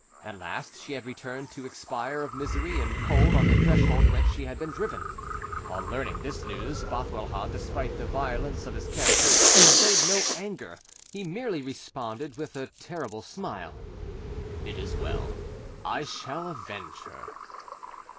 At last, she had returned to expire of misery and cold on the threshold whence she had been driven. On learning this news, Bothwellhaugh, despite the violence of his character, displayed no anger: he merely responded, with a terrible smile, "It is well; I shall avenge her."